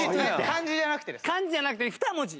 漢字じゃなくて２文字。